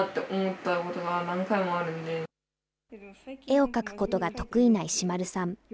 絵を描くことが得意な石丸さん。